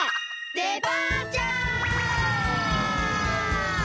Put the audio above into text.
デパーチャー！